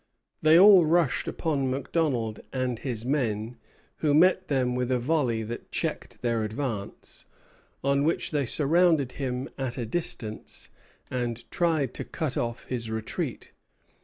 They all rushed upon Macdonald and his men, who met them with a volley that checked their advance; on which they surrounded him at a distance, and tried to cut off his retreat.